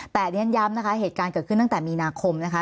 แต่เรียนย้ำนะคะเหตุการณ์เกิดขึ้นตั้งแต่มีนาคมนะคะ